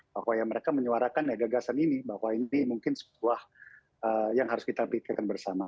pokoknya mereka menyuarakan gagasan ini bahwa ini mungkin sebuah yang harus kita pikirkan bersama